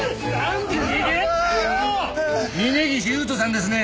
峰岸勇人さんですね？